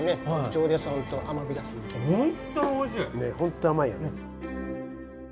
ほんと甘いよね。